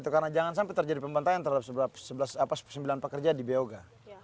karena jangan sampai terjadi pembantangan terhadap sembilan pekerja di beoga